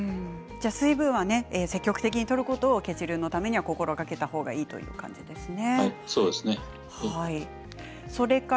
水分は積極的にとることを血流のためには心がけた方がいいそうですね。